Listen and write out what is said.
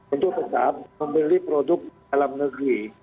untuk tetap membeli produk dalam negeri